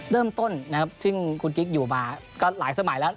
เริ่มต้นนะครับซึ่งคุณกิ๊กอยู่มาก็หลายสมัยแล้ว